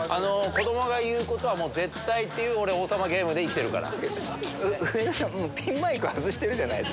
子どもが言うことは絶対っていう俺王様ゲームで生きてるから。